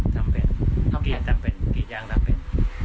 ทำเป็นขี้ยางทำเป็น